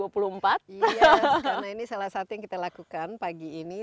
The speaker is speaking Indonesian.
karena ini salah satu yang kita lakukan pagi ini